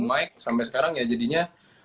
mike sampai sekarang ya jadinya